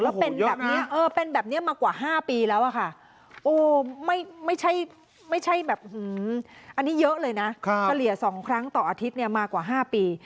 แล้วเป็นแบบนี้มากว่า๕ปีแล้วค่ะอันนี้เยอะเลยนะเฉลี่ย๒ครั้งต่ออาทิตย์มากว่า๕ปี